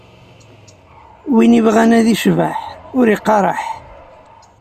Win ibɣan ad icbeḥ, ur iqqaṛ eḥ!